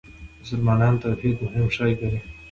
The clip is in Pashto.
مسلمانان توحید مهم شی ګڼي.